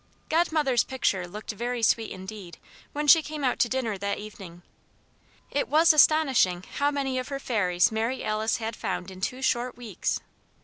Godmother's picture looked very sweet indeed when she came out to dinner that evening. It was astonishing how many of her fairies Mary Alice had found in two short weeks!